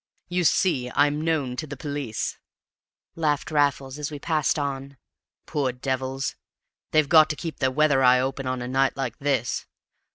"You see, I'm known to the police," laughed Raffles as we passed on. "Poor devils, they've got to keep their weather eye open on a night like this!